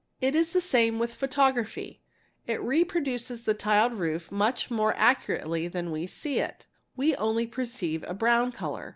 It is the same with photography; it reproduces the tiled roof much more accurately than we see it; we only perceive a brown colour.